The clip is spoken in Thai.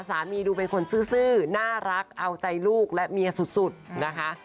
ดูเป็นคนซื่อน่ารักเอาใจลูกและเมียสุดนะคะ